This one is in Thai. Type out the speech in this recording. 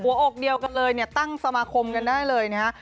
หัวอกเดียวกันเลยตั้งสมาคมกันได้เลย